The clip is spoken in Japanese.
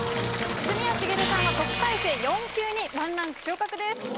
泉谷しげるさんは特待生４級に１ランク昇格です。